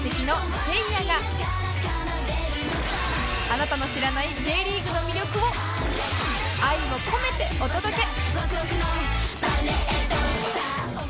あなたの知らない Ｊ リーグの魅力を愛を込めてお届け！